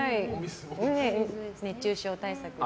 熱中症対策で。